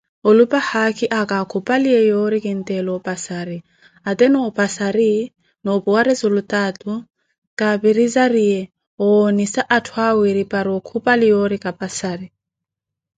Olupa haakhi akakhupaliye yoori kinteela opasari, ate noopasari, noopuwa resultaatu za kapirizariye owoonisa atthu awiri para okhupali yoori kapasari.